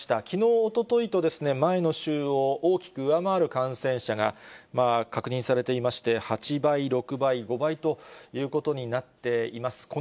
きのう、おとといと、前の週を大きく上回る感染者が確認されていまして、８倍、６倍、５倍ということになっています。